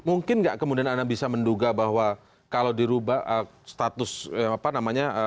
mungkin nggak kemudian anda bisa menduga bahwa kalau dirubah status apa namanya